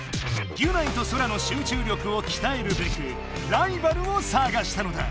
ギュナイとソラの集中力をきたえるべくライバルをさがしたのだ。